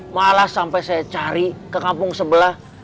malah sampai saya cari ke kampung sebelah